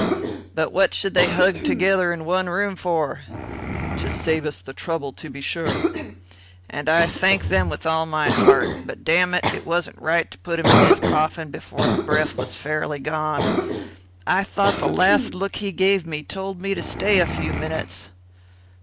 "But what should they hug together in one room for?" "To save us trouble, to be sure." "And I thank them with all my heart; but, damn it, it wasn't right to put him in his coffin before the breath was fairly gone. I thought the last look he gave me told me to stay a few minutes."